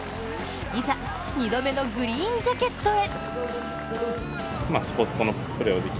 いざ２度目のグリーンジャケットへ。